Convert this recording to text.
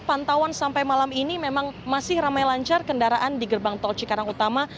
pantauan sampai malam ini memang masih ramai lancar kendaraan di gerbang tol cikarang utama